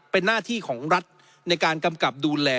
เป็นหน้าที่ของรัฐในการกำกับดูแล